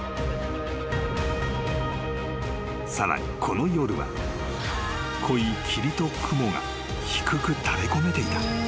［さらにこの夜は濃い霧と雲が低く垂れ込めていた］